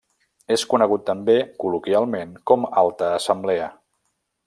És conegut també col·loquialment com Alta Assemblea.